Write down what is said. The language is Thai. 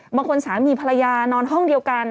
สามีภรรยานอนห้องเดียวกัน